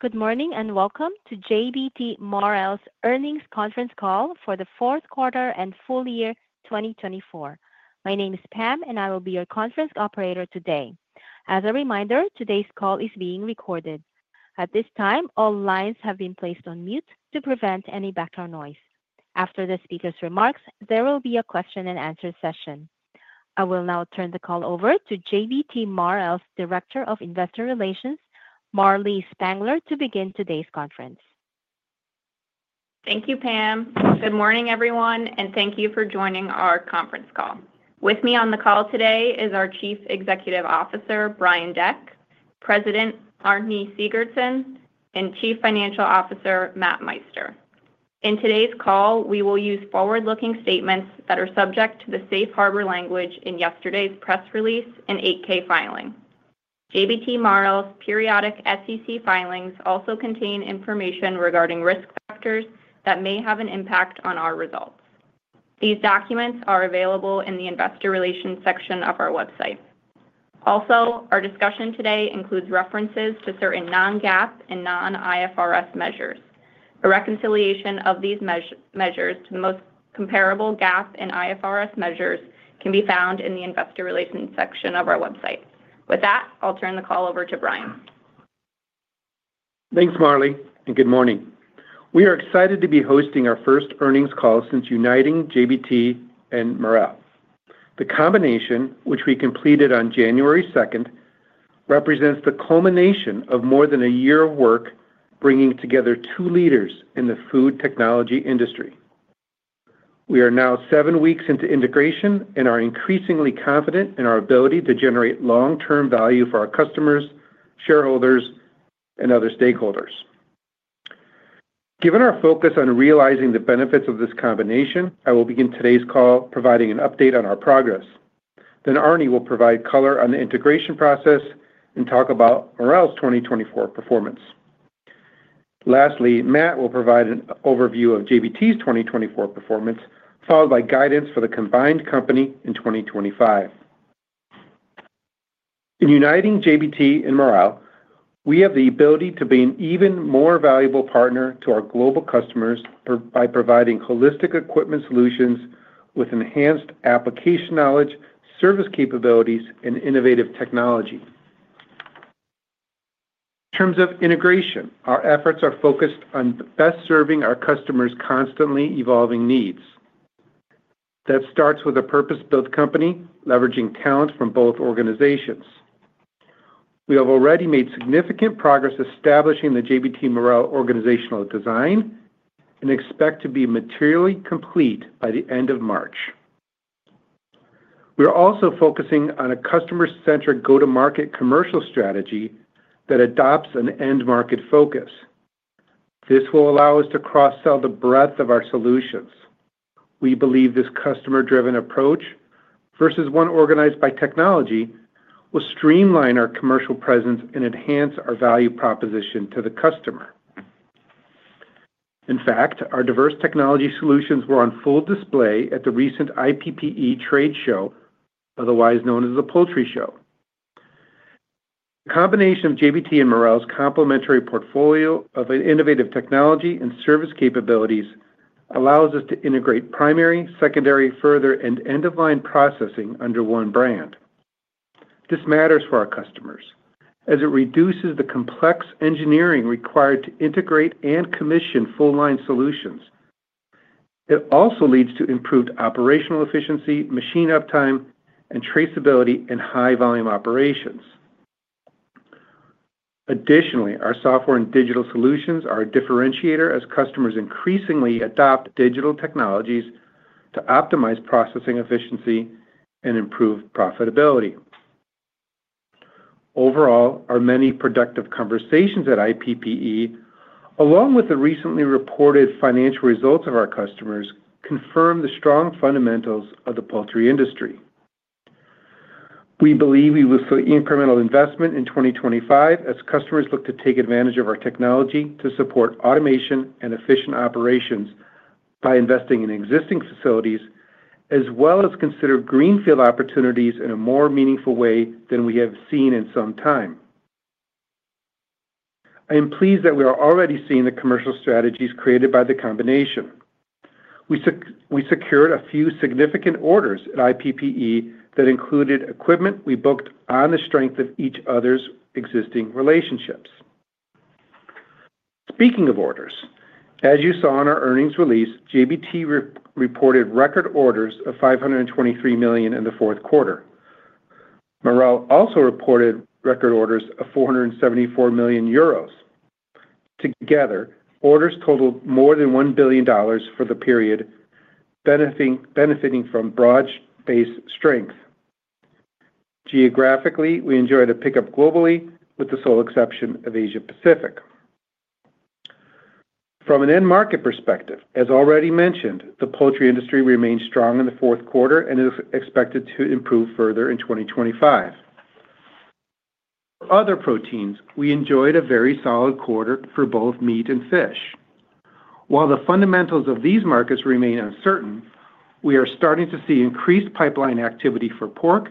Good morning and welcome to JBT Marel's Earnings Conference Call for the Fourth Quarter and Full Year 2024. My name is Pam, and I will be your conference operator today. As a reminder, today's call is being recorded. At this time, all lines have been placed on mute to prevent any background noise. After the speaker's remarks, there will be a question-and-answer session. I will now turn the call over to JBT Marel's Director of Investor Relations, Marlee Spangler, to begin today's conference. Thank you, Pam. Good morning, everyone, and thank you for joining our conference call. With me on the call today is our Chief Executive Officer, Brian Deck, President Arni Sigurdsson, and Chief Financial Officer, Matt Meister. In today's call, we will use forward-looking statements that are subject to the safe harbor language in yesterday's press release and 8-K filing. JBT Marel's periodic SEC filings also contain information regarding risk factors that may have an impact on our results. These documents are available in the Investor Relations section of our website. Also, our discussion today includes references to certain non-GAAP and non-IFRS measures. A reconciliation of these measures to the most comparable GAAP and IFRS measures can be found in the Investor Relations section of our website. With that, I'll turn the call over to Brian. Thanks, Marlee, and good morning. We are excited to be hosting our first earnings call since uniting JBT and Marel. The combination, which we completed on January 2nd, represents the culmination of more than a year of work bringing together two leaders in the food technology industry. We are now seven weeks into integration and are increasingly confident in our ability to generate long-term value for our customers, shareholders, and other stakeholders. Given our focus on realizing the benefits of this combination, I will begin today's call providing an update on our progress. Then Arni will provide color on the integration process and talk about Marel's 2024 performance. Lastly, Matt will provide an overview of JBT's 2024 performance, followed by guidance for the combined company in 2025. In uniting JBT and Marel, we have the ability to be an even more valuable partner to our global customers by providing holistic equipment solutions with enhanced application knowledge, service capabilities, and innovative technology. In terms of integration, our efforts are focused on best serving our customers' constantly evolving needs. That starts with a purpose-built company, leveraging talent from both organizations. We have already made significant progress establishing the JBT Marel organizational design and expect to be materially complete by the end of March. We are also focusing on a customer-centric go-to-market commercial strategy that adopts an end-market focus. This will allow us to cross-sell the breadth of our solutions. We believe this customer-driven approach, versus one organized by technology, will streamline our commercial presence and enhance our value proposition to the customer. In fact, our diverse technology solutions were on full display at the recent IPPE trade show, otherwise known as the Poultry Show. The combination of JBT and Marel's complementary portfolio of innovative technology and service capabilities allows us to integrate primary, secondary, further, and end-of-line processing under one brand. This matters for our customers as it reduces the complex engineering required to integrate and commission full-line solutions. It also leads to improved operational efficiency, machine uptime, and traceability in high-volume operations. Additionally, our software and digital solutions are a differentiator as customers increasingly adopt digital technologies to optimize processing efficiency and improve profitability. Overall, our many productive conversations at IPPE, along with the recently reported financial results of our customers, confirm the strong fundamentals of the poultry industry. We believe we will see incremental investment in 2025 as customers look to take advantage of our technology to support automation and efficient operations by investing in existing facilities, as well as consider greenfield opportunities in a more meaningful way than we have seen in some time. I am pleased that we are already seeing the commercial strategies created by the combination. We secured a few significant orders at IPPE that included equipment we booked on the strength of each other's existing relationships. Speaking of orders, as you saw in our earnings release, JBT reported record orders of $523 million in the fourth quarter. Marel also reported record orders of 474 million euros. Together, orders totaled more than $1 billion for the period, benefiting from broad-based strength. Geographically, we enjoyed a pickup globally, with the sole exception of Asia-Pacific. From an end-market perspective, as already mentioned, the poultry industry remained strong in the fourth quarter and is expected to improve further in 2025. For other proteins, we enjoyed a very solid quarter for both meat and fish. While the fundamentals of these markets remain uncertain, we are starting to see increased pipeline activity for pork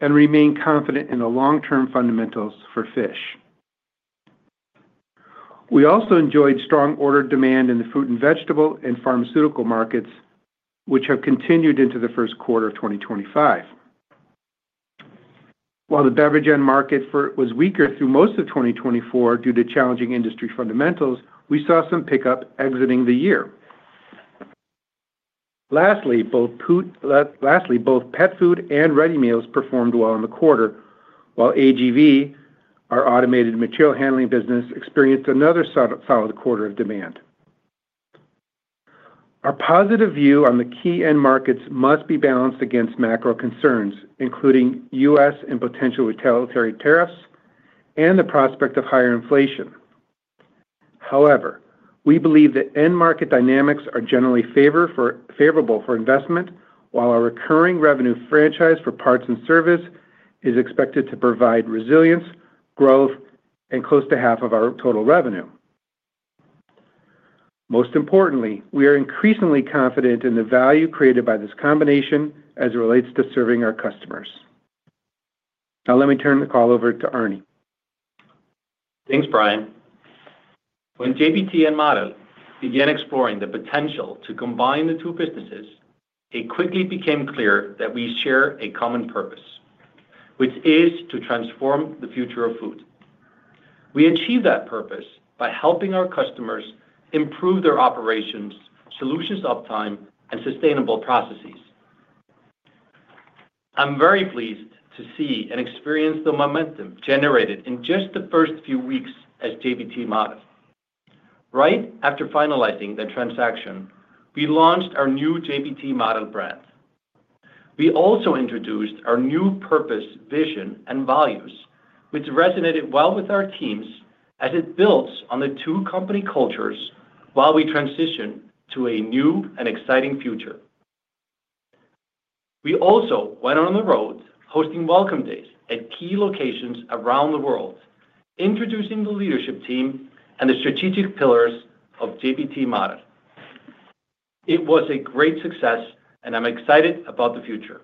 and remain confident in the long-term fundamentals for fish. We also enjoyed strong order demand in the fruit and vegetable and pharmaceutical markets, which have continued into the first quarter of 2025. While the beverage end market was weaker through most of 2024 due to challenging industry fundamentals, we saw some pickup exiting the year. Lastly, both pet food and ready meals performed well in the quarter, while AGV, our automated material handling business, experienced another solid quarter of demand. Our positive view on the key end markets must be balanced against macro concerns, including U.S. and potential retaliatory tariffs and the prospect of higher inflation. However, we believe that end-market dynamics are generally favorable for investment, while our recurring revenue franchise for parts and service is expected to provide resilience, growth, and close to half of our total revenue. Most importantly, we are increasingly confident in the value created by this combination as it relates to serving our customers. Now, let me turn the call over to Arni. Thanks, Brian. When JBT and Marel began exploring the potential to combine the two businesses, it quickly became clear that we share a common purpose, which is to transform the future of food. We achieve that purpose by helping our customers improve their operations, solutions uptime, and sustainable processes. I'm very pleased to see and experience the momentum generated in just the first few weeks as JBT Marel. Right after finalizing the transaction, we launched our new JBT Marel brand. We also introduced our new purpose, vision, and values, which resonated well with our teams as it builds on the two company cultures while we transition to a new and exciting future. We also went on the road hosting Welcome Days at key locations around the world, introducing the leadership team and the strategic pillars of JBT Marel. It was a great success, and I'm excited about the future.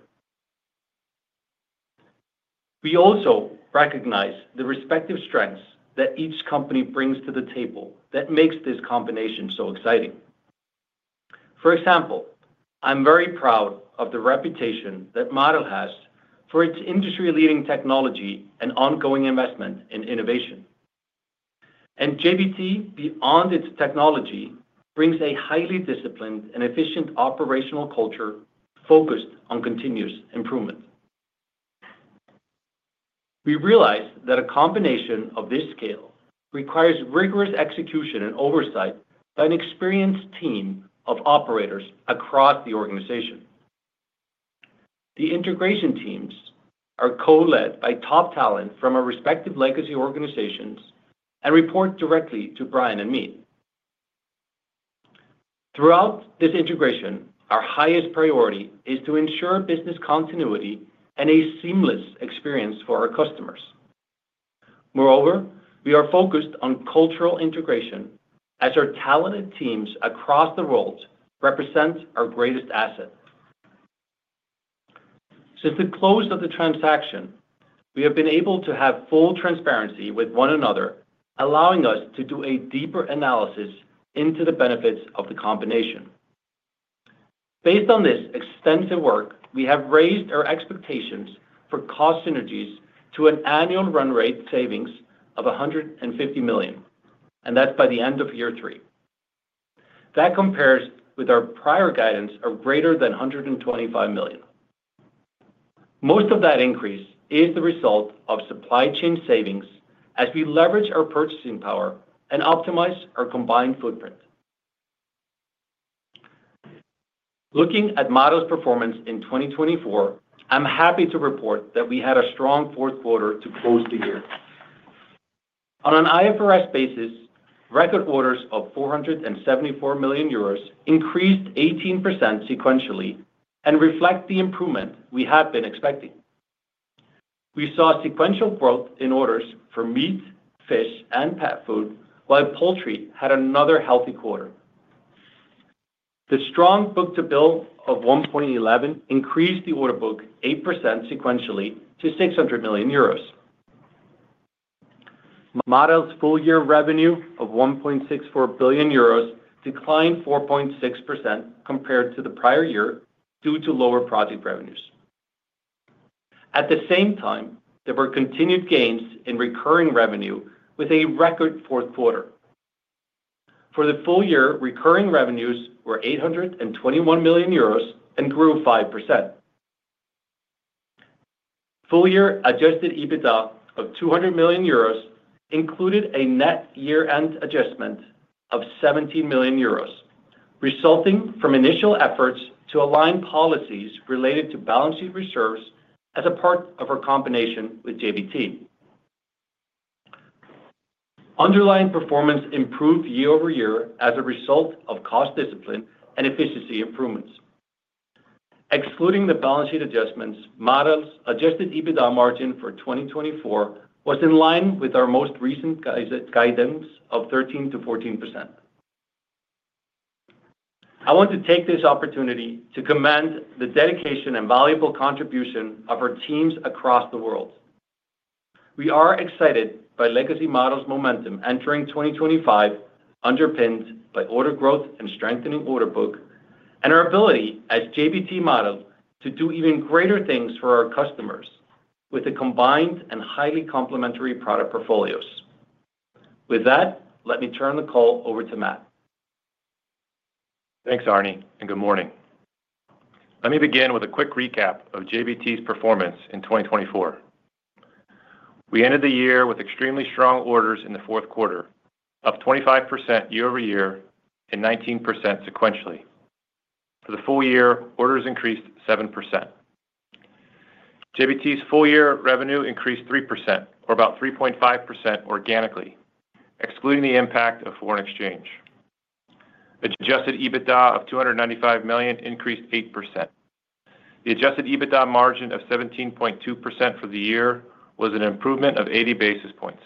We also recognize the respective strengths that each company brings to the table that makes this combination so exciting. For example, I'm very proud of the reputation that Marel has for its industry-leading technology and ongoing investment in innovation. And JBT, beyond its technology, brings a highly disciplined and efficient operational culture focused on continuous improvement. We realized that a combination of this scale requires rigorous execution and oversight by an experienced team of operators across the organization. The integration teams are co-led by top talent from our respective legacy organizations and report directly to Brian and me. Throughout this integration, our highest priority is to ensure business continuity and a seamless experience for our customers. Moreover, we are focused on cultural integration as our talented teams across the world represent our greatest asset. Since the close of the transaction, we have been able to have full transparency with one another, allowing us to do a deeper analysis into the benefits of the combination. Based on this extensive work, we have raised our expectations for cost synergies to an annual run rate savings of $150 million, and that's by the end of year three. That compares with our prior guidance of greater than $125 million. Most of that increase is the result of supply chain savings as we leverage our purchasing power and optimize our combined footprint. Looking at Marel's performance in 2024, I'm happy to report that we had a strong fourth quarter to close the year. On an IFRS basis, record orders of 474 million euros increased 18% sequentially and reflect the improvement we have been expecting. We saw sequential growth in orders for meat, fish, and pet food, while poultry had another healthy quarter. The strong book-to-bill of 1.11 increased the order book 8% sequentially to 600 million euros. Marel's full-year revenue of 1.64 billion euros declined 4.6% compared to the prior year due to lower project revenues. At the same time, there were continued gains in recurring revenue with a record fourth quarter. For the full year, recurring revenues were 821 million euros and grew 5%. Full-year Adjusted EBITDA of 200 million euros included a net year-end adjustment of 17 million euros, resulting from initial efforts to align policies related to balance sheet reserves as a part of our combination with JBT. Underlying performance improved year over year as a result of cost discipline and efficiency improvements. Excluding the balance sheet adjustments, Marel's Adjusted EBITDA margin for 2024 was in line with our most recent guidance of 13%-14%. I want to take this opportunity to commend the dedication and valuable contribution of our teams across the world. We are excited by legacy Marel's momentum entering 2025, underpinned by order growth and strengthening order book, and our ability as JBT Marel to do even greater things for our customers with the combined and highly complementary product portfolios. With that, let me turn the call over to Matt. Thanks, Arni, and good morning. Let me begin with a quick recap of JBT's performance in 2024. We ended the year with extremely strong orders in the fourth quarter, up 25% year over year and 19% sequentially. For the full year, orders increased 7%. JBT's full-year revenue increased 3%, or about 3.5% organically, excluding the impact of foreign exchange. Adjusted EBITDA of $295 million increased 8%. The Adjusted EBITDA margin of 17.2% for the year was an improvement of 80 basis points,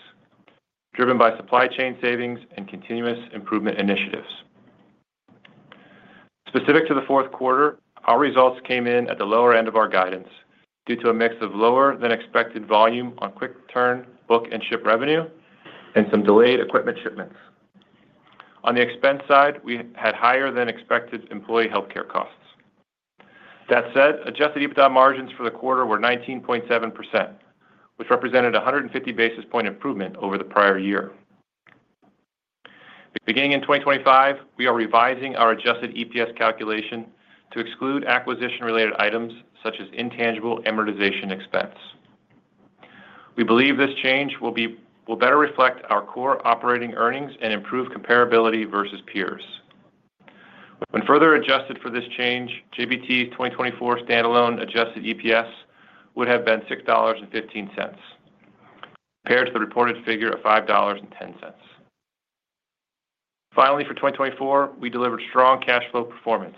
driven by supply chain savings and continuous improvement initiatives. Specific to the fourth quarter, our results came in at the lower end of our guidance due to a mix of lower-than-expected volume on quick-turn book and ship revenue and some delayed equipment shipments. On the expense side, we had higher-than-expected employee healthcare costs. That said, Adjusted EBITDA margins for the quarter were 19.7%, which represented a 150 basis points improvement over the prior year. Beginning in 2025, we are revising our Adjusted EPS calculation to exclude acquisition-related items such as intangible amortization expense. We believe this change will better reflect our core operating earnings and improve comparability versus peers. When further adjusted for this change, JBT's 2024 standalone Adjusted EPS would have been $6.15 compared to the reported figure of $5.10. Finally, for 2024, we delivered strong cash flow performance,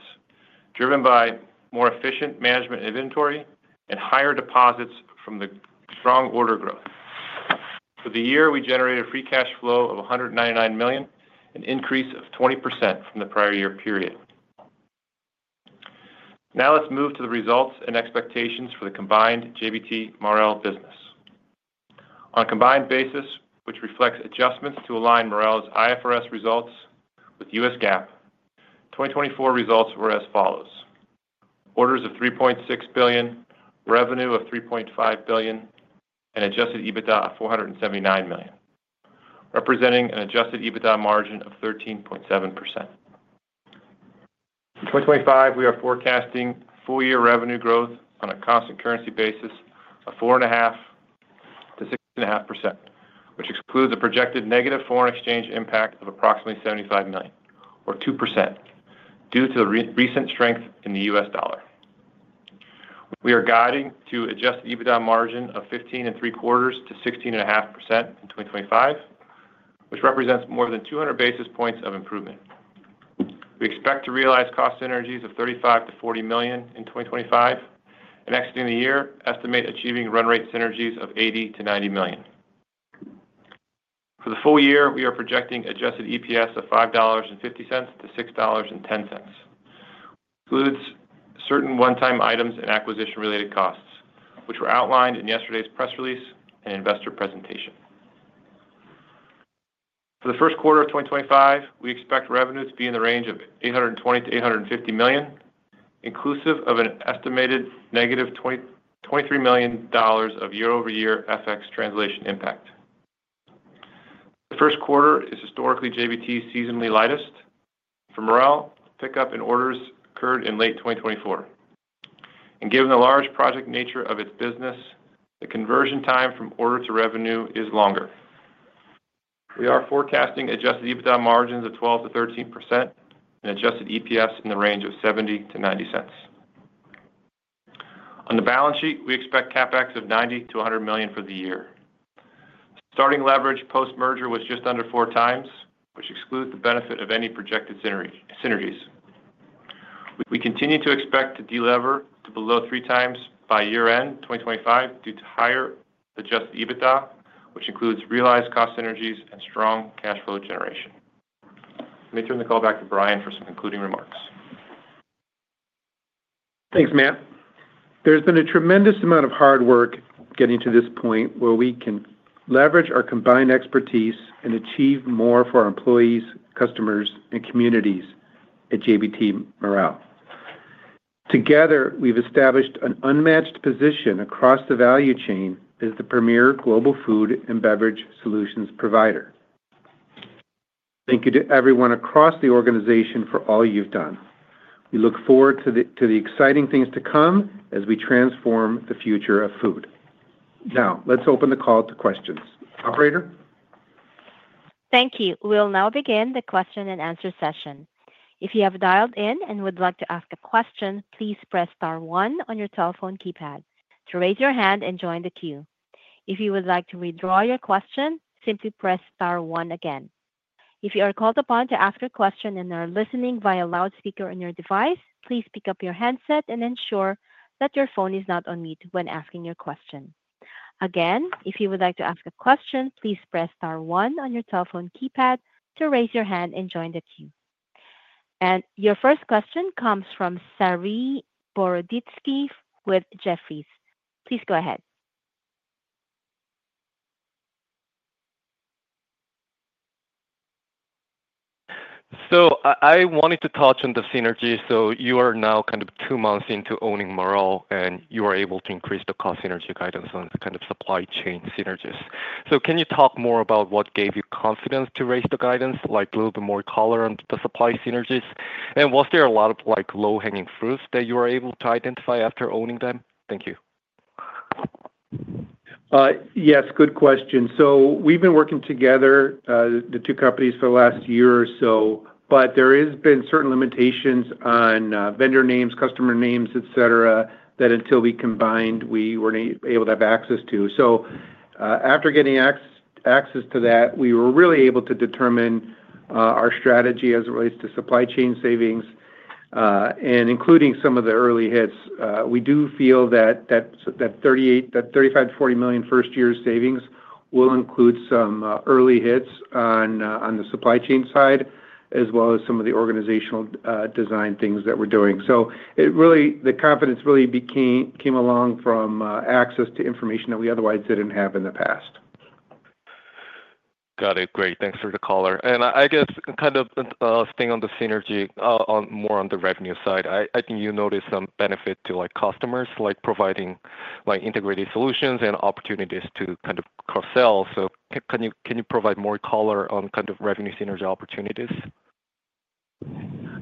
driven by more efficient management inventory and higher deposits from the strong order growth. For the year, we generated free cash flow of $199 million, an increase of 20% from the prior year period. Now, let's move to the results and expectations for the combined JBT Marel business. On a combined basis, which reflects adjustments to align Marel's IFRS results with U.S. GAAP 2024 results were as follows: orders of $3.6 billion, revenue of $3.5 billion, and Adjusted EBITDA of $479 million, representing an Adjusted EBITDA margin of 13.7%. In 2025, we are forecasting full-year revenue growth on a constant currency basis of 4.5% to 6.5%, which excludes a projected negative foreign exchange impact of approximately $75 million, or 2%, due to the recent strength in the U.S. dollar. We are guiding to an Adjusted EBITDA margin of 15.75% to 16.5% in 2025, which represents more than 200 basis points of improvement. We expect to realize cost synergies of $35 million- $40 million in 2025, and exiting the year, estimate achieving run rate synergies of $80 million-$90 million. For the full year, we are projecting Adjusted EPS of $5.50 to $6.10, which includes certain one-time items and acquisition-related costs, which were outlined in yesterday's press release and investor presentation. For the first quarter of 2025, we expect revenue to be in the range of $820 million-$850 million, inclusive of an estimated negative $23 million of year-over-year FX translation impact. The first quarter is historically JBT's seasonally lightest. For Marel, pickup in orders occurred in late 2024, and given the large project nature of its business, the conversion time from order to revenue is longer. We are forecasting Adjusted EBITDA margins of 12%-13% and Adjusted EPS in the range of $0.70-$0.90. On the balance sheet, we expect CapEx of $90 million-$100 million for the year. Starting leverage post-merger was just under four times, which excludes the benefit of any projected synergies. We continue to expect to delever to below three times by year-end 2025 due to higher Adjusted EBITDA, which includes realized cost synergies and strong cash flow generation. Let me turn the call back to Brian for some concluding remarks. Thanks, Matt. There's been a tremendous amount of hard work getting to this point where we can leverage our combined expertise and achieve more for our employees, customers, and communities at JBT Marel. Together, we've established an unmatched position across the value chain as the premier global food and beverage solutions provider. Thank you to everyone across the organization for all you've done. We look forward to the exciting things to come as we transform the future of food. Now, let's open the call to questions. Operator? Thank you. We'll now begin the question-and-answer session. If you have dialed in and would like to ask a question, please press star 1 on your telephone keypad to raise your hand and join the queue. If you would like to withdraw your question, simply press star 1 again. If you are called upon to ask a question and are listening via loudspeaker on your device, please pick up your headset and ensure that your phone is not on mute when asking your question. Again, if you would like to ask a question, please press star 1 on your telephone keypad to raise your hand and join the queue. And your first question comes from Saree Boroditsky with Jefferies. Please go ahead. I wanted to touch on the synergy. You are now kind of two months into owning Marel, and you were able to increase the cost synergy guidance on kind of supply chain synergies. Can you talk more about what gave you confidence to raise the guidance, like a little bit more color on the supply synergies? And was there a lot of low-hanging fruits that you were able to identify after owning them? Thank you. Yes, good question. So we've been working together, the two companies, for the last year or so, but there have been certain limitations on vendor names, customer names, etc., that until we combined, we weren't able to have access to. So after getting access to that, we were really able to determine our strategy as it relates to supply chain savings. And including some of the early hits, we do feel that that $35 million-$40 million first-year savings will include some early hits on the supply chain side, as well as some of the organizational design things that we're doing. So the confidence really came along from access to information that we otherwise didn't have in the past. Got it. Great. Thanks for the color. And I guess kind of staying on the synergy, more on the revenue side, I think you noticed some benefit to customers, like providing integrated solutions and opportunities to kind of cross-sell. So can you provide more color on kind of revenue synergy opportunities?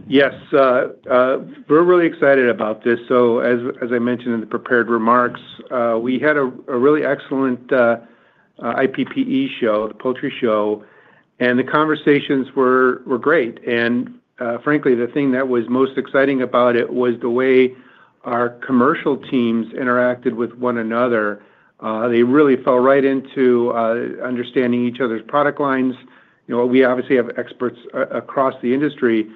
Yes. We're really excited about this. So as I mentioned in the prepared remarks, we had a really excellent IPPE show, the Poultry Show, and the conversations were great. And frankly, the thing that was most exciting about it was the way our commercial teams interacted with one another. They really fell right into understanding each other's product lines. We obviously have experts across the industry,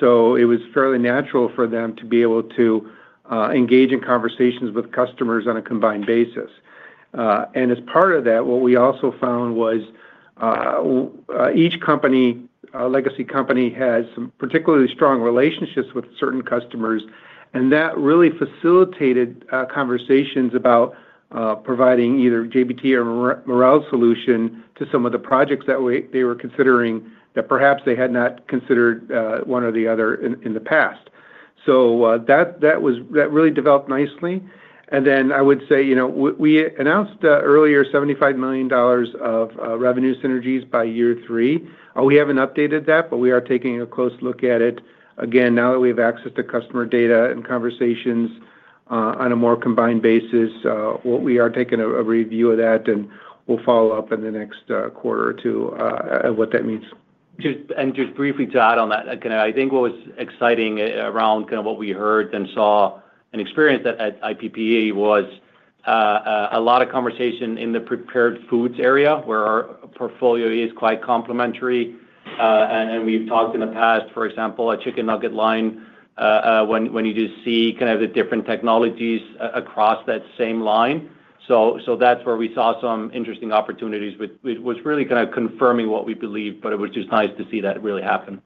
so it was fairly natural for them to be able to engage in conversations with customers on a combined basis. And as part of that, what we also found was each legacy company has some particularly strong relationships with certain customers, and that really facilitated conversations about providing either JBT or Marel solution to some of the projects that they were considering that perhaps they had not considered one or the other in the past. So that really developed nicely. And then I would say we announced earlier $75 million of revenue synergies by year three. We haven't updated that, but we are taking a close look at it. Again, now that we have access to customer data and conversations on a more combined basis, we are taking a review of that, and we'll follow up in the next quarter or two on what that means. And just briefly to add on that, I think what was exciting around kind of what we heard and saw and experienced at IPPE was a lot of conversation in the prepared foods area, where our portfolio is quite complementary. And we've talked in the past, for example, a chicken nugget line, when you just see kind of the different technologies across that same line. So that's where we saw some interesting opportunities. It was really kind of confirming what we believed, but it was just nice to see that really happen.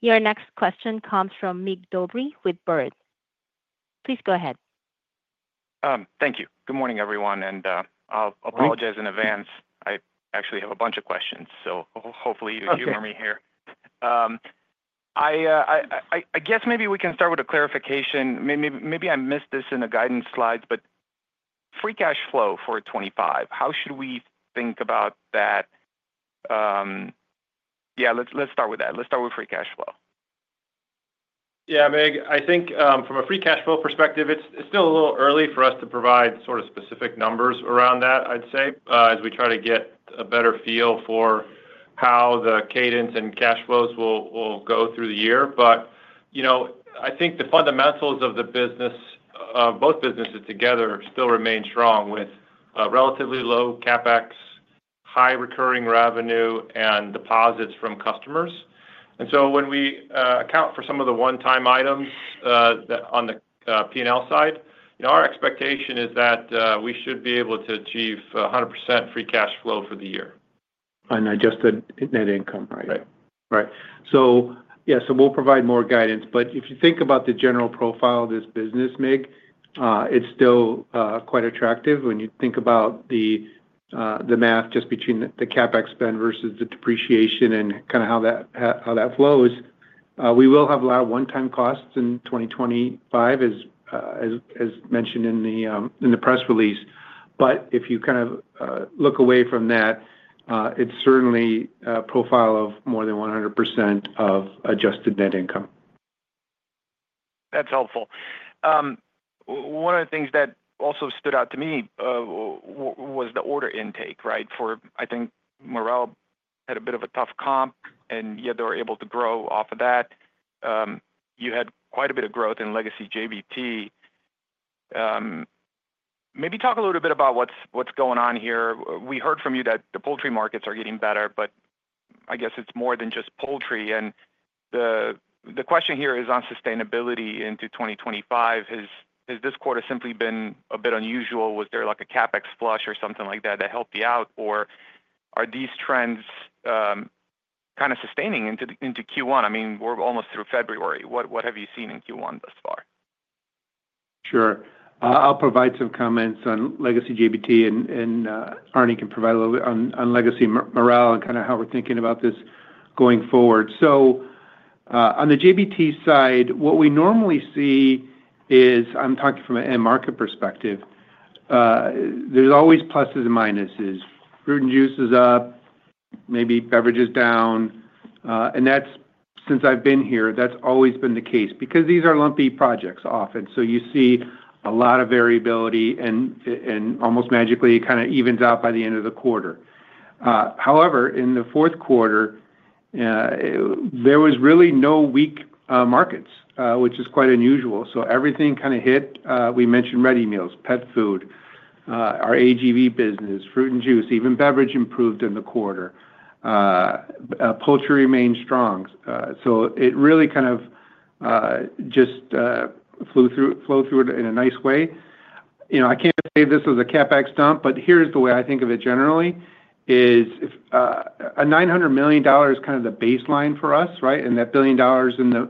Your next question comes from Mircea Dobre with Baird. Please go ahead. Thank you. Good morning, everyone, and I'll apologize in advance. I actually have a bunch of questions, so hopefully you hear me here. I guess maybe we can start with a clarification. Maybe I missed this in the guidance slides, but free cash flow for 2025, how should we think about that? Yeah, let's start with that. Let's start with free cash flow. Yeah, Mirc, I think from a free cash flow perspective, it's still a little early for us to provide sort of specific numbers around that, I'd say, as we try to get a better feel for how the cadence and cash flows will go through the year. But I think the fundamentals of both businesses together still remain strong with relatively low CapEx, high recurring revenue, and deposits from customers. And so when we account for some of the one-time items on the P&L side, our expectation is that we should be able to achieve 100% free cash flow for the year. On adjusted net income, right? Right. Right, so yeah, so we'll provide more guidance, but if you think about the general profile of this business, Mirc, it's still quite attractive when you think about the math just between the CapEx spend versus the depreciation and kind of how that flows. We will have a lot of one-time costs in 2025, as mentioned in the press release, but if you kind of look away from that, it's certainly a profile of more than 100% of adjusted net income. That's helpful. One of the things that also stood out to me was the order intake, right? I think Marel had a bit of a tough comp, and yet they were able to grow off of that. You had quite a bit of growth in legacy JBT. Maybe talk a little bit about what's going on here. We heard from you that the poultry markets are getting better, but I guess it's more than just poultry. And the question here is on sustainability into 2025. Has this quarter simply been a bit unusual? Was there like a CapEx flush or something like that that helped you out? Or are these trends kind of sustaining into Q1? I mean, we're almost through February. What have you seen in Q1 thus far? Sure. I'll provide some comments on legacy JBT, and Arni can provide a little bit on legacy Marel and kind of how we're thinking about this going forward, so on the JBT side, what we normally see is, I'm talking from an end market perspective, there's always pluses and minuses. Fruit and juices up, maybe beverages down, and since I've been here, that's always been the case because these are lumpy projects often, so you see a lot of variability, and almost magically, it kind of evens out by the end of the quarter. However, in the fourth quarter, there was really no weak markets, which is quite unusual, so everything kind of hit. We mentioned ready meals, pet food, our AGV business, fruit and juice, even beverage improved in the quarter. Poultry remained strong, so it really kind of just flowed through in a nice way. I can't say this was a CapEx dump, but here's the way I think of it generally. $900 million is kind of the baseline for us, right? And that $1 billion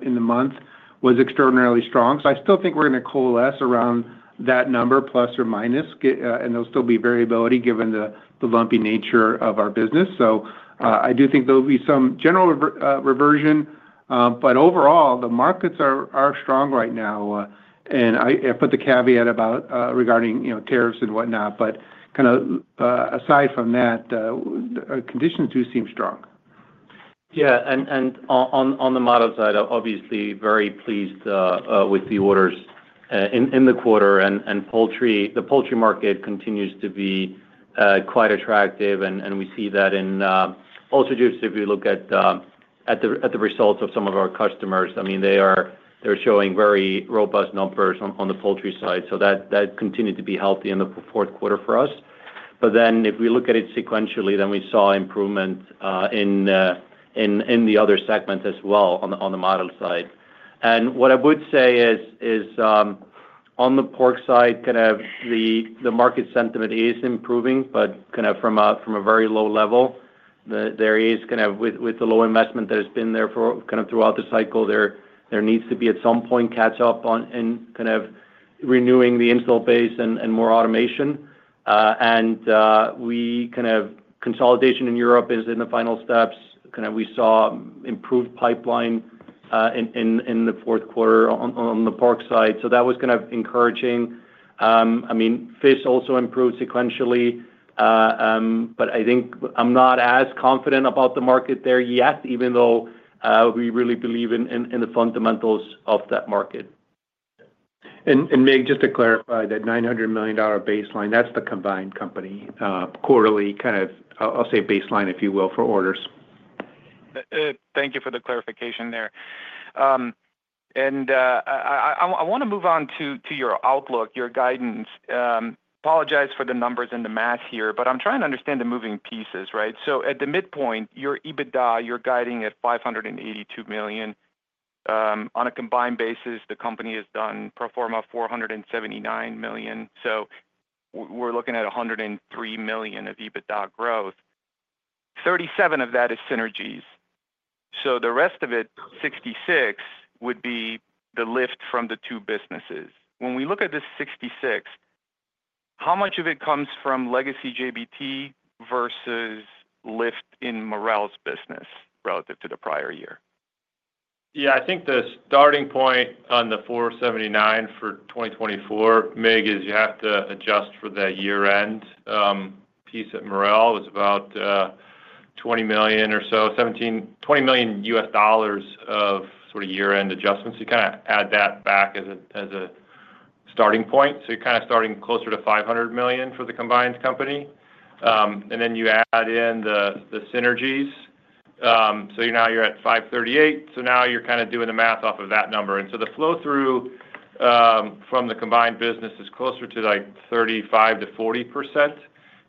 in the month was extraordinarily strong. So I still think we're going to coalesce around that number, plus or minus, and there'll be variability given the lumpy nature of our business. So I do think there'll be some general reversion. But overall, the markets are strong right now. And I put the caveat about regarding tariffs and whatnot, but kind of aside from that, conditions do seem strong. Yeah. And on the Marel side, obviously, very pleased with the orders in the quarter. And the poultry market continues to be quite attractive, and we see that in also just if you look at the results of some of our customers. I mean, they're showing very robust numbers on the poultry side. So that continued to be healthy in the fourth quarter for us. But then if we look at it sequentially, then we saw improvement in the other segments as well on the Marel side. And what I would say is on the pork side, kind of the market sentiment is improving, but kind of from a very low level. There is kind of with the low investment that has been there kind of throughout the cycle, there needs to be at some point catch up on kind of renewing the install base and more automation. Kind of consolidation in Europe is in the final steps. Kind of we saw improved pipeline in the fourth quarter on the pork side. That was kind of encouraging. I mean, fish also improved sequentially, but I think I'm not as confident about the market there yet, even though we really believe in the fundamentals of that market. Mirc, just to clarify that $900 million baseline, that's the combined company quarterly kind of, I'll say baseline, if you will, for orders. Thank you for the clarification there. I want to move on to your outlook, your guidance. I apologize for the numbers and the math here, but I'm trying to understand the moving pieces, right? At the midpoint, your EBITDA, you're guiding at $582 million. On a combined basis, the company has done pro forma $479 million. We're looking at $103 million of EBITDA growth. 37 of that is synergies. The rest of it, 66, would be the lift from the two businesses. When we look at this 66, how much of it comes from legacy JBT versus lift in Marel's business relative to the prior year? Yeah, I think the starting point on the $479 million for 2024, Mirc, is you have to adjust for the year-end piece at Marel. It was about $20 million or so, $17 million of sort of year-end adjustments. You kind of add that back as a starting point. So you're kind of starting closer to $500 million for the combined company. And then you add in the synergies. So now you're at $538 million. So now you're kind of doing the math off of that number. And so the flow-through from the combined business is closer to like 35%-40%.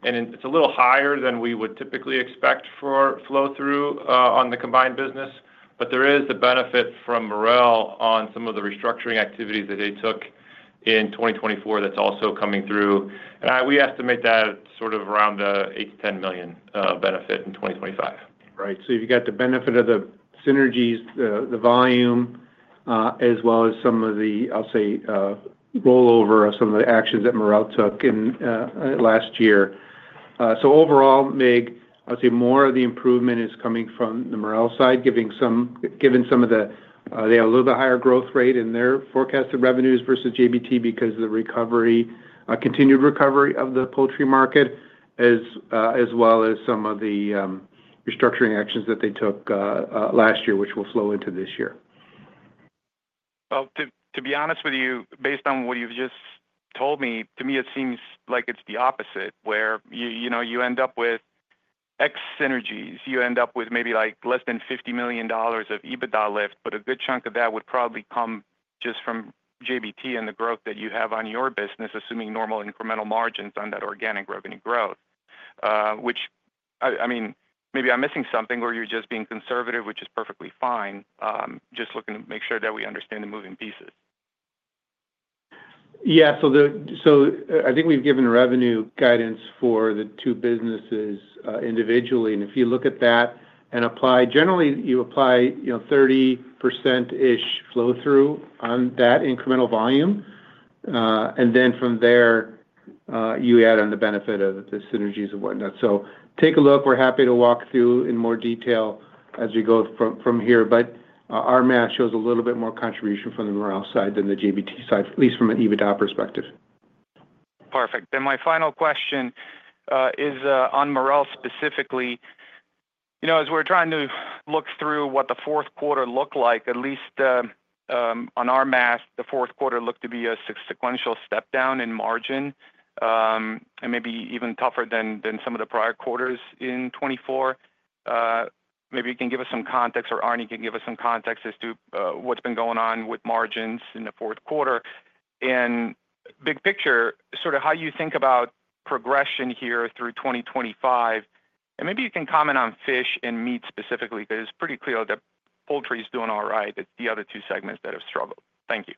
And it's a little higher than we would typically expect for flow-through on the combined business. But there is the benefit from Marel on some of the restructuring activities that they took in 2024 that's also coming through. We estimate that sort of around the $8 million-$10 million benefit in 2025. Right. So you've got the benefit of the synergies, the volume, as well as some of the, I'll say, rollover of some of the actions that Marel took last year. So overall, Mirc, I would say more of the improvement is coming from the Marel side, given some of the, they have a little bit higher growth rate in their forecasted revenues versus JBT because of the continued recovery of the poultry market, as well as some of the restructuring actions that they took last year, which will flow into this year. Well, to be honest with you, based on what you've just told me, to me, it seems like it's the opposite, where you end up with X synergies. You end up with maybe like less than $50 million of EBITDA lift, but a good chunk of that would probably come just from JBT and the growth that you have on your business, assuming normal incremental margins on that organic revenue growth, which I mean, maybe I'm missing something or you're just being conservative, which is perfectly fine. Just looking to make sure that we understand the moving pieces. Yeah. So I think we've given revenue guidance for the two businesses individually. And if you look at that and apply, generally, you apply 30%-ish flow-through on that incremental volume. And then from there, you add on the benefit of the synergies and whatnot. So take a look. We're happy to walk through in more detail as we go from here. But our math shows a little bit more contribution from the Marel side than the JBT side, at least from an EBITDA perspective. Perfect. And my final question is on Marel specifically. As we're trying to look through what the fourth quarter looked like, at least on our math, the fourth quarter looked to be a sequential step down in margin and maybe even tougher than some of the prior quarters in 2024. Maybe you can give us some context or Arni can give us some context as to what's been going on with margins in the fourth quarter. And big picture, sort of how you think about progression here through 2025. And maybe you can comment on fish and meat specifically because it's pretty clear that poultry is doing all right. It's the other two segments that have struggled. Thank you.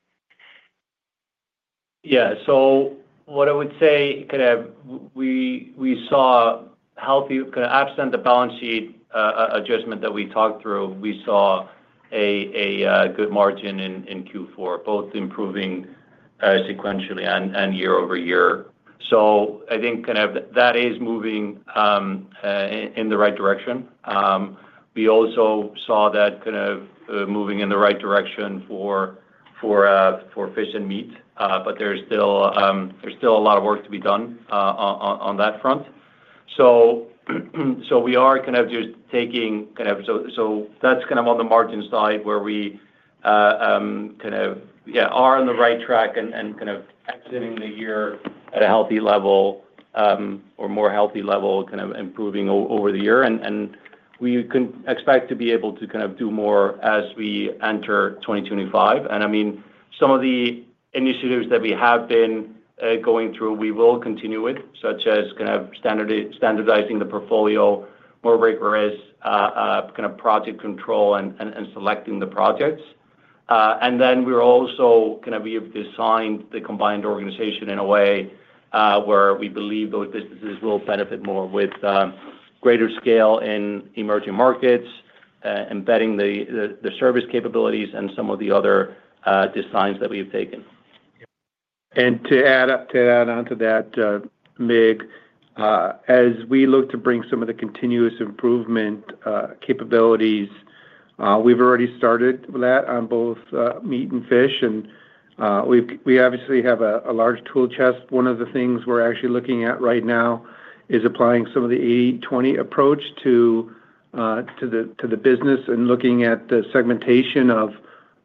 Yeah. So what I would say kind of we saw healthy kind of absent the balance sheet adjustment that we talked through, we saw a good margin in Q4, both improving sequentially and year over year. So I think kind of that is moving in the right direction. We also saw that kind of moving in the right direction for fish and meat, but there's still a lot of work to be done on that front. So we are kind of just taking kind of so that's kind of on the margin side where we kind of, yeah, are on the right track and kind of exiting the year at a healthy level or more healthy level kind of improving over the year. And we can expect to be able to kind of do more as we enter 2025. I mean, some of the initiatives that we have been going through, we will continue with, such as kind of standardizing the portfolio, more rigorous kind of project control, and selecting the projects. Then we're also kind of we have designed the combined organization in a way where we believe those businesses will benefit more with greater scale in emerging markets, embedding the service capabilities and some of the other designs that we have taken. To add on to that, Mirc, as we look to bring some of the continuous improvement capabilities, we've already started with that on both meat and fish. We obviously have a large tool chest. One of the things we're actually looking at right now is applying some of the 80/20 approach to the business and looking at the segmentation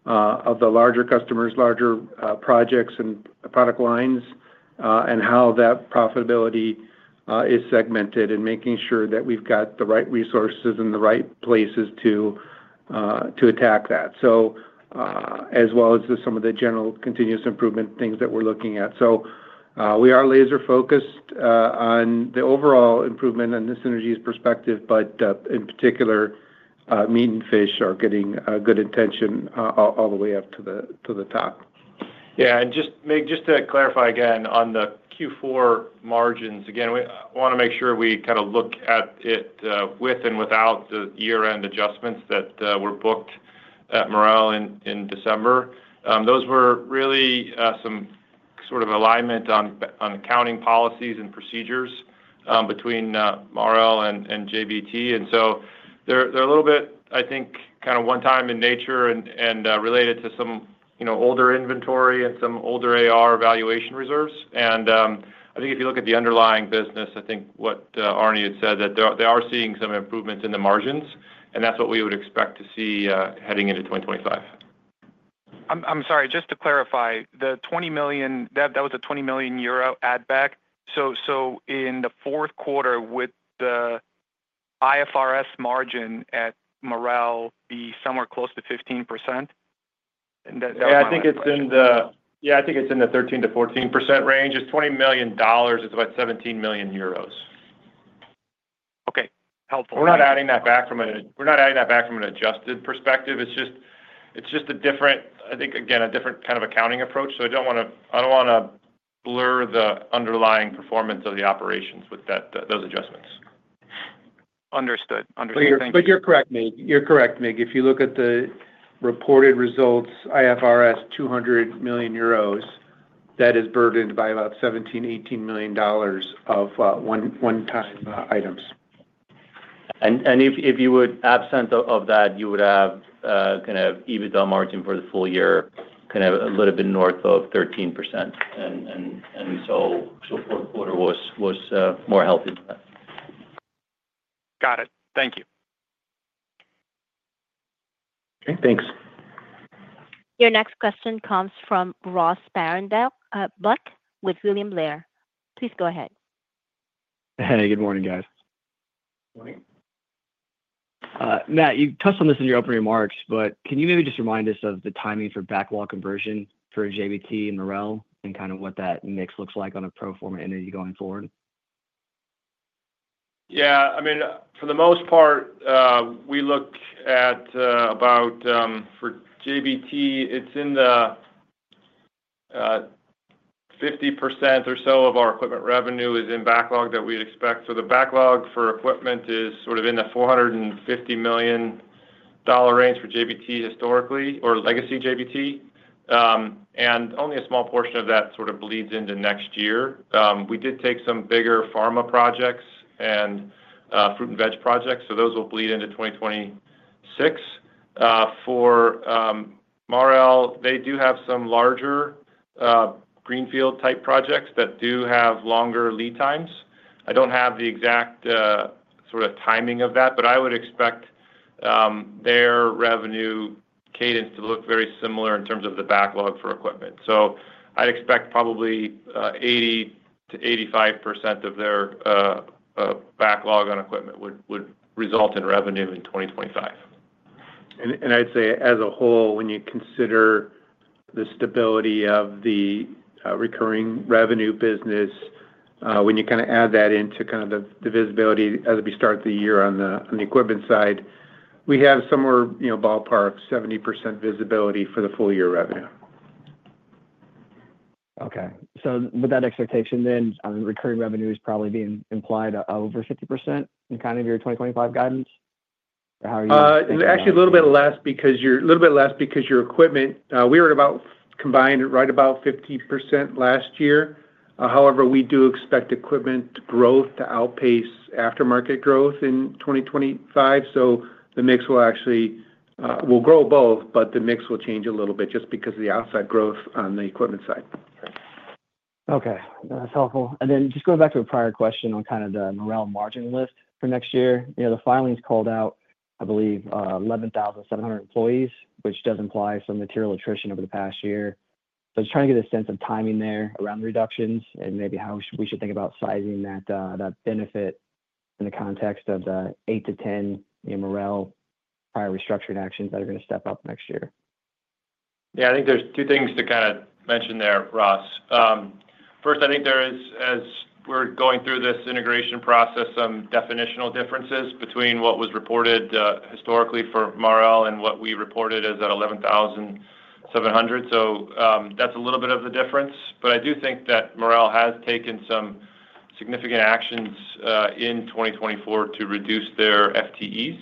of the larger customers, larger projects and product lines, and how that profitability is segmented and making sure that we've got the right resources in the right places to attack that. As well as some of the general continuous improvement things that we're looking at. We are laser-focused on the overall improvement and the synergies perspective, but in particular, meat and fish are getting good attention all the way up to the top. Yeah. And Mirc, just to clarify again on the Q4 margins, again, we want to make sure we kind of look at it with and without the year-end adjustments that were booked at Marel in December. Those were really some sort of alignment on accounting policies and procedures between Marel and JBT. And so they're a little bit, I think, kind of one-time in nature and related to some older inventory and some older AR valuation reserves. And I think if you look at the underlying business, I think what Arni had said, that they are seeing some improvements in the margins, and that's what we would expect to see heading into 2025. I'm sorry, just to clarify, that was a 20 million euro add-back. So in the fourth quarter, would the IFRS margin at Marel be somewhere close to 15%? Yeah, I think it's in the 13%-14% range. It's $20 million, it's about 17 million euros. Okay. Helpful. We're not adding that back from an adjusted perspective. It's just a different, I think, again, a different kind of accounting approach. So I don't want to blur the underlying performance of the operations with those adjustments. Understood. Understood. But you're correct, Mirc. You're correct, Mirc. If you look at the reported results, IFRS 200 million euros, that is burdened by about $17 million-$18 million of one-time items. And if you would absent of that, you would have kind of EBITDA margin for the full year kind of a little bit north of 13%. And so fourth quarter was more healthy than that. Got it. Thank you. Okay. Thanks. Your next question comes from Ross Sparenblek with William Blair. Please go ahead. Hey, good morning, guys. Good morning. Matt, you touched on this in your opening remarks, but can you maybe just remind us of the timing for backlog conversion for JBT and Marel and kind of what that mix looks like on a pro forma entity going forward? Yeah. I mean, for the most part, we look at about for JBT, it's in the 50% or so of our equipment revenue is in backlog that we expect. So the backlog for equipment is sort of in the $450 million range for JBT historically or legacy JBT. And only a small portion of that sort of bleeds into next year. We did take some bigger pharma projects and fruit and veg projects. So those will bleed into 2026. For Marel, they do have some larger greenfield-type projects that do have longer lead times. I don't have the exact sort of timing of that, but I would expect their revenue cadence to look very similar in terms of the backlog for equipment. So I'd expect probably 80%-85% of their backlog on equipment would result in revenue in 2025. I'd say as a whole, when you consider the stability of the recurring revenue business, when you kind of add that into kind of the visibility as we start the year on the equipment side, we have somewhere ballpark 70% visibility for the full year revenue. Okay, so with that expectation, then recurring revenue is probably being implied over 50% in kind of your 2025 guidance? Or how are you? Actually, a little bit less because your equipment, we were about combined right about 50% last year. However, we do expect equipment growth to outpace aftermarket growth in 2025. So the mix will actually grow both, but the mix will change a little bit just because of the outsized growth on the equipment side. Okay. That's helpful. And then just going back to a prior question on kind of the Marel margin lift for next year, the filing's called out, I believe, 11,700 employees, which does imply some material attrition over the past year. So just trying to get a sense of timing there around the reductions and maybe how we should think about sizing that benefit in the context of the 8-10 Marel prior restructured actions that are going to step up next year. Yeah. I think there are two things to kind of mention there, Ross. First, I think there is, as we're going through this integration process, some definitional differences between what was reported historically for Marel and what we reported as at 11,700. So that's a little bit of the difference. But I do think that Marel has taken some significant actions in 2024 to reduce their FTEs.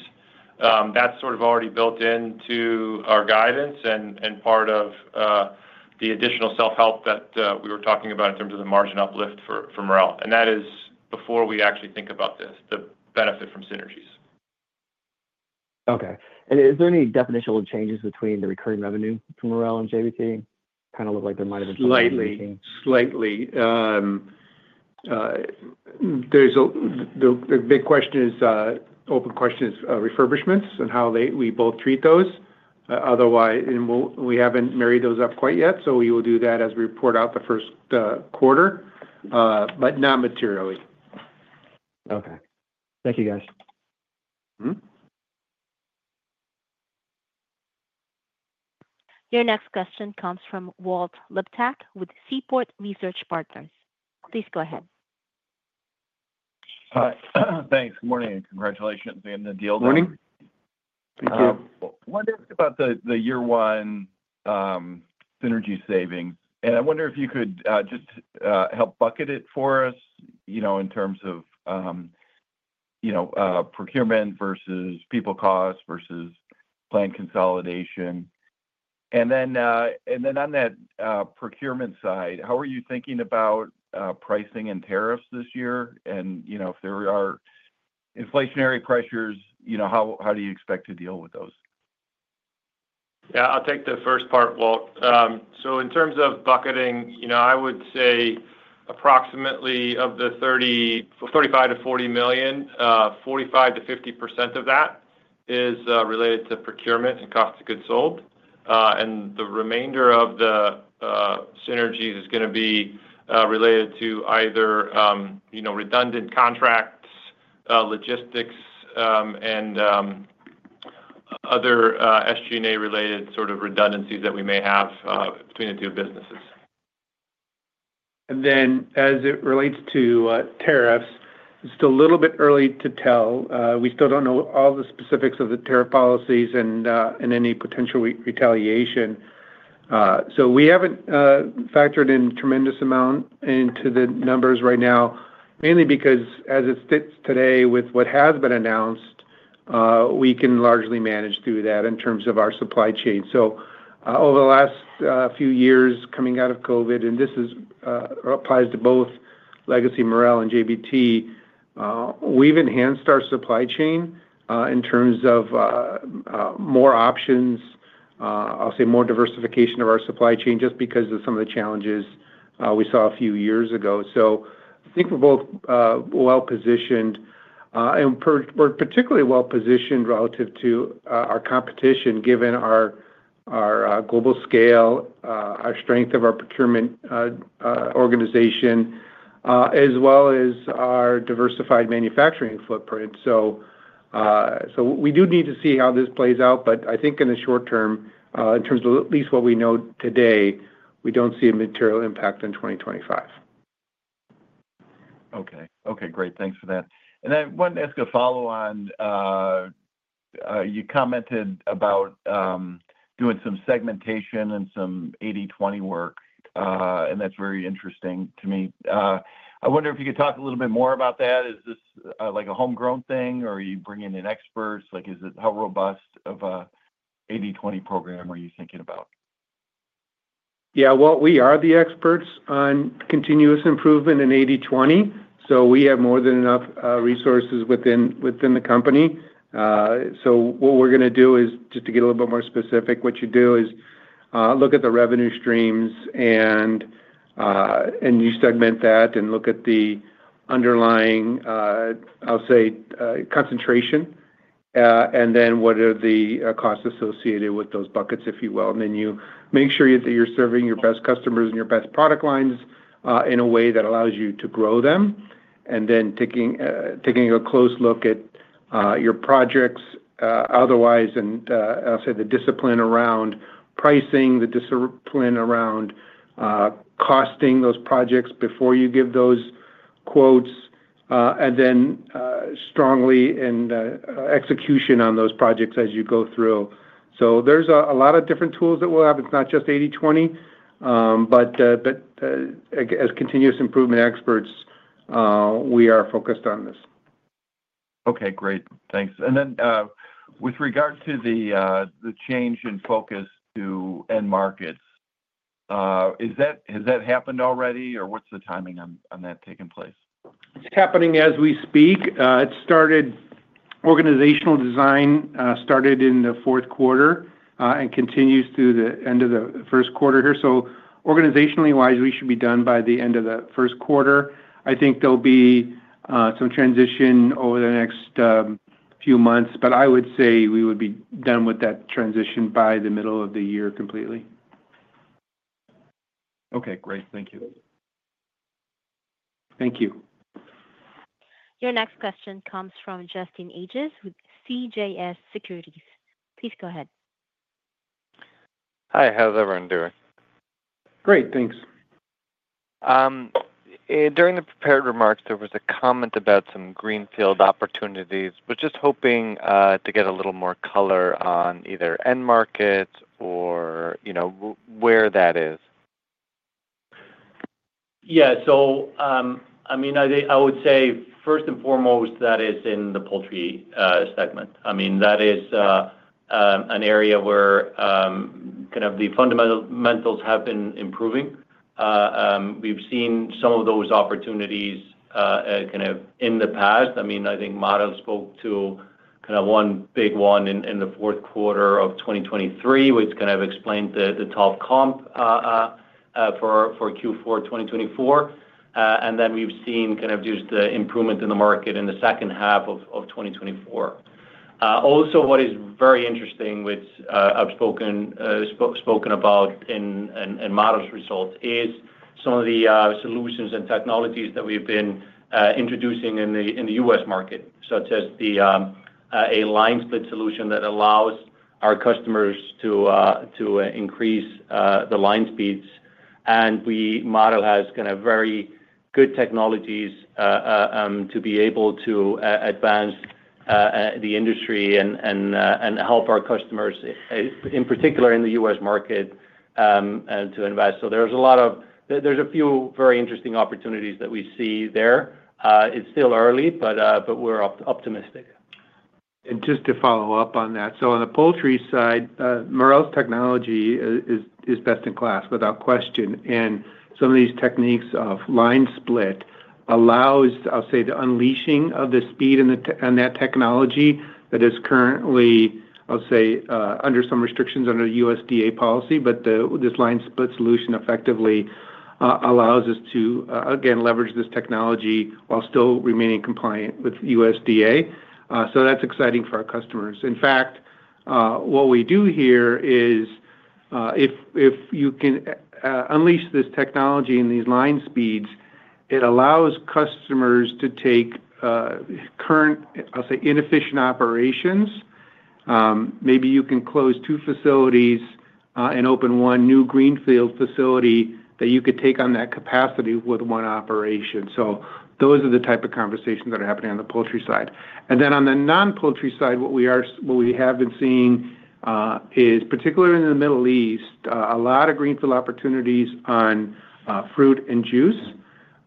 That's sort of already built into our guidance and part of the additional self-help that we were talking about in terms of the margin uplift for Marel. And that is before we actually think about this, the benefit from synergies. Okay. And is there any definitional changes between the recurring revenue for Marel and JBT? Kind of look like there might have been some reason for making. Slightly. The big question is refurbishments and how we both treat those. Otherwise, we haven't married those up quite yet. So we will do that as we report out the first quarter, but not materially. Okay. Thank you, guys. Your next question comes from Walt Liptak with Seaport Research Partners. Please go ahead. Thanks. Good morning. Congratulations on getting the deal done. Good morning. Thank you. Wonderful. I wonder about the year-one synergy savings. And I wonder if you could just help bucket it for us in terms of procurement versus people costs versus plant consolidation. And then on that procurement side, how are you thinking about pricing and tariffs this year? And if there are inflationary pressures, how do you expect to deal with those? Yeah. I'll take the first part, Walt. So in terms of bucketing, I would say approximately of the $35 million-$40 million, 45%-50% of that is related to procurement and cost of goods sold. And the remainder of the synergies is going to be related to either redundant contracts, logistics, and other SG&A-related sort of redundancies that we may have between the two businesses. And then as it relates to tariffs, it's still a little bit early to tell. We still don't know all the specifics of the tariff policies and any potential retaliation. So we haven't factored in a tremendous amount into the numbers right now, mainly because as it sits today with what has been announced, we can largely manage through that in terms of our supply chain. So over the last few years coming out of COVID, and this applies to both legacy Marel and JBT, we've enhanced our supply chain in terms of more options. I'll say more diversification of our supply chain just because of some of the challenges we saw a few years ago. So I think we're both well-positioned. And we're particularly well-positioned relative to our competition given our global scale, our strength of our procurement organization, as well as our diversified manufacturing footprint. So we do need to see how this plays out. But I think in the short term, in terms of at least what we know today, we don't see a material impact in 2025. Okay. Okay. Great. Thanks for that. And I wanted to ask a follow-on. You commented about doing some segmentation and some 80/20 work. And that's very interesting to me. I wonder if you could talk a little bit more about that. Is this like a homegrown thing or are you bringing in experts? How robust of an 80/20 program are you thinking about? Yeah. Well, we are the experts on continuous improvement in 80/20. So we have more than enough resources within the company. So what we're going to do is, just to get a little bit more specific, what you do is look at the revenue streams and you segment that and look at the underlying, I'll say, concentration. And then what are the costs associated with those buckets, if you will. And then you make sure that you're serving your best customers and your best product lines in a way that allows you to grow them. And then, taking a close look at your projects otherwise, and I'll say the discipline around pricing, the discipline around costing those projects before you give those quotes, and then strongly in execution on those projects as you go through. So there's a lot of different tools that we'll have. It's not just 80/20. But as continuous improvement experts, we are focused on this. Okay. Great. Thanks. And then with regard to the change in focus to end markets, has that happened already or what's the timing on that taking place? It's happening as we speak. Organizational design started in the fourth quarter and continues through the end of the first quarter here. So organizationally wise, we should be done by the end of the first quarter. I think there'll be some transition over the next few months. But I would say we would be done with that transition by the middle of the year completely. Okay. Great. Thank you. Thank you. Your next question comes from Justin Ages with CJS Securities. Please go ahead. Hi. How's everyone doing? Great. Thanks. During the prepared remarks, there was a comment about some greenfield opportunities, but just hoping to get a little more color on either end markets or where that is? Yeah. So I mean, I would say first and foremost, that is in the poultry segment. I mean, that is an area where kind of the fundamentals have been improving. We've seen some of those opportunities kind of in the past. I mean, I think Marel spoke to kind of one big one in the fourth quarter of 2023, which kind of explained the top comp for Q4 2024. And then we've seen kind of just the improvement in the market in the second half of 2024. Also, what is very interesting, which I've spoken about in Marel's results, is some of the solutions and technologies that we've been introducing in the U.S. market, such as LineSplit solution that allows our customers to increase the line speeds. Marel has kind of very good technologies to be able to advance the industry and help our customers, in particular in the U.S. market, to invest. There's a few very interesting opportunities that we see there. It's still early, but we're optimistic. Just to follow up on that, so on the poultry side, Marel's technology is best in class without question. Some of these techniques LineSplit allows, I'll say, the unleashing of the speed and that technology that is currently, I'll say, under some restrictions under USDA policy. LineSplit solution effectively allows us to, again, leverage this technology while still remaining compliant with USDA. That's exciting for our customers. In fact, what we do here is if you can unleash this technology and these line speeds, it allows customers to take current, I'll say, inefficient operations. Maybe you can close two facilities and open one new greenfield facility that you could take on that capacity with one operation. Those are the type of conversations that are happening on the poultry side. And then on the non-poultry side, what we have been seeing is, particularly in the Middle East, a lot of greenfield opportunities on fruit and juice.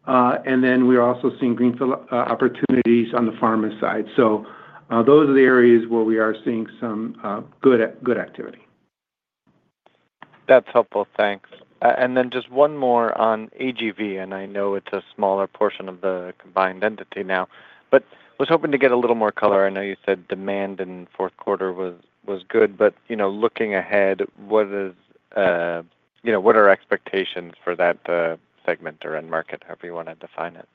And then we're also seeing greenfield opportunities on the pharma side. So those are the areas where we are seeing some good activity. That's helpful. Thanks. And then just one more on AGV. And I know it's a smaller portion of the combined entity now. But I was hoping to get a little more color. I know you said demand in the fourth quarter was good. But looking ahead, what are expectations for that segment or end market, however you want to define it?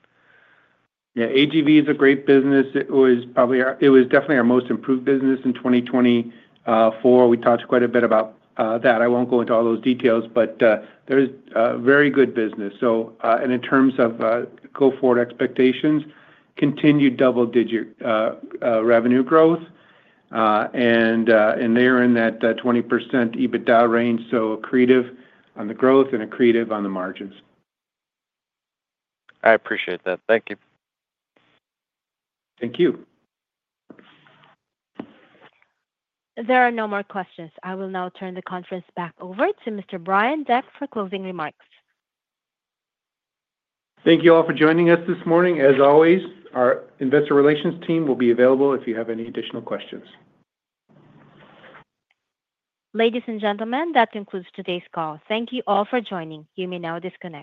Yeah. AGV is a great business. It was definitely our most improved business in 2024. We talked quite a bit about that. I won't go into all those details. But there's very good business. And in terms of go-forward expectations, continued double-digit revenue growth. And they are in that 20% EBITDA range. So accretive on the growth and accretive on the margins. I appreciate that. Thank you. Thank you. There are no more questions. I will now turn the conference back over to Mr. Brian Deck for closing remarks. Thank you all for joining us this morning. As always, our Investor Relations team will be available if you have any additional questions. Ladies and gentlemen, that concludes today's call. Thank you all for joining. You may now disconnect.